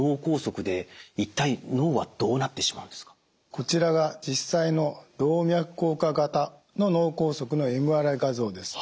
こちらが実際の動脈硬化型の脳梗塞のＭＲＩ画像です。